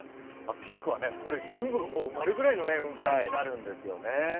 ピークは全体が埋まるぐらいの雲海になるんですよね。